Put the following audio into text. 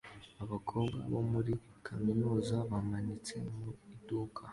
Abakobwa bo muri kaminuza bamanitse mu iduka